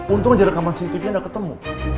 untung aja rekaman cctv tidak ketemu